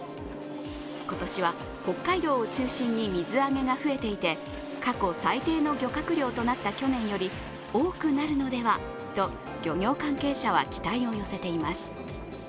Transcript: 今年は北海道を中心に水揚げが増えていて、過去最低の漁獲量となった去年より多くなるのではと漁業関係者は期待を寄せています。